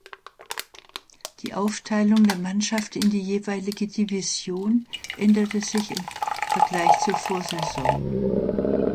Die Aufteilung der Mannschaften in die jeweilige Division änderte sich im Vergleich zur Vorsaison.